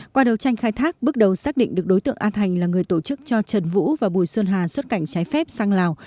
qua đầu tranh khai thác bước đầu xác định được đối tượng a thành là người tổ chức cho trần vũ và bùi xuân hà xuất cảnh trái phép sang lào